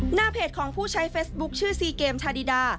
หน้าเพจของผู้ใช้เฟซบุ๊คชื่อซีเกมชาดิดา